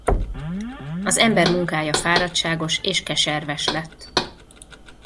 Az ember munkája fáradságos és keserves lett.